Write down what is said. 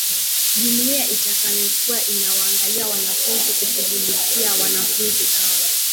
Jumuiya itakayokuwa inawaangalia wanafunzi kushughulikia wanafunzi hao